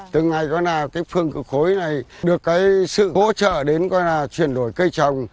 từ ngày phương cựu khối này được sự hỗ trợ đến chuyển đổi cây trồng